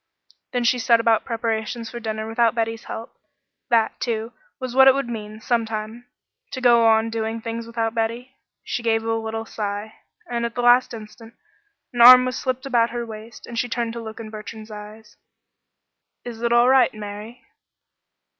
Then she set about preparations for dinner without Betty's help. That, too, was what it would mean sometime to go on doing things without Betty. She gave a little sigh, and at the instant an arm was slipped about her waist, and she turned to look in Bertrand's eyes. "Is it all right, Mary?"